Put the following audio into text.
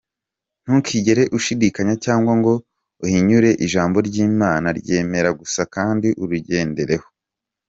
Ntukigera ushidikanya cyangwa ngo uhinyure Ijambo ry’Imana, ryemere gusa kandi urigendereho.